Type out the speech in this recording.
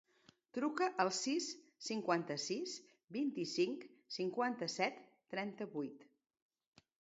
Truca al sis, cinquanta-sis, vint-i-cinc, cinquanta-set, trenta-vuit.